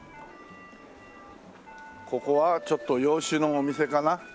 ここはちょっと洋酒のお店かな？